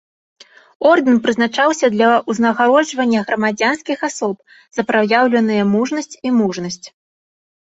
Ордэн прызначаўся для ўзнагароджання грамадзянскіх асоб за праяўленыя мужнасць і мужнасць.